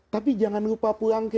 tapi jangan lupa pulang